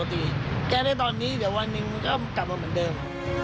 มันไม่เรียกปกติแก้ได้ตอนนี้เดี๋ยววันนึงก็กลับมาเหมือนเดิม